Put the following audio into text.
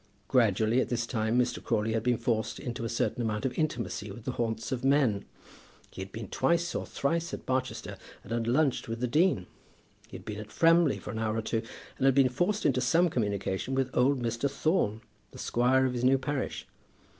Gradually at this time Mr. Crawley had been forced into a certain amount of intimacy with the haunts of men. He had been twice or thrice at Barchester, and had lunched with the dean. He had been at Framley for an hour or two, and had been forced into some communication with old Mr. Thorne, the squire of his new parish.